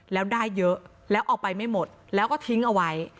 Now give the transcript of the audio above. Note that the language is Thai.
แล้วได้เยอะแล้วเอาไปไม่หมดแล้วก็ทิ้งเอาไว้